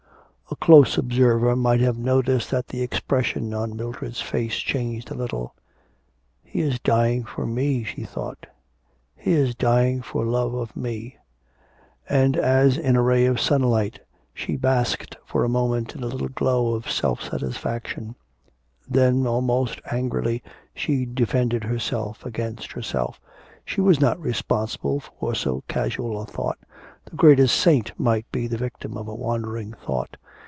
A close observer might have noticed that the expression on Mildred's face changed a little. 'He is dying for me,' she thought. 'He is dying for love of me.' And as in a ray of sunlight she basked for a moment in a little glow of self satisfaction. Then, almost angrily, she defended herself against herself. She was not responsible for so casual a thought, the greatest saint might be the victim of a wandering thought.